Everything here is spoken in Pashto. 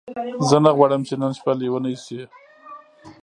زه نه غواړم چې نن شپه لیونۍ شې.